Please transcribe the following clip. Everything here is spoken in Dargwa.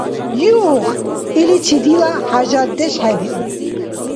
Юх, иличи дила хӏяжатдеш хӏебиуб.